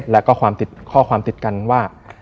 แล้วก็ข้อความติดกันว่า